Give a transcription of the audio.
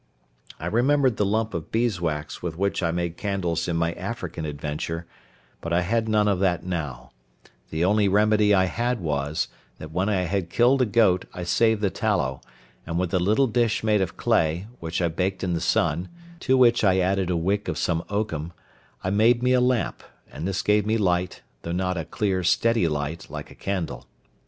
I remembered the lump of beeswax with which I made candles in my African adventure; but I had none of that now; the only remedy I had was, that when I had killed a goat I saved the tallow, and with a little dish made of clay, which I baked in the sun, to which I added a wick of some oakum, I made me a lamp; and this gave me light, though not a clear, steady light, like a candle.